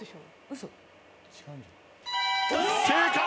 正解！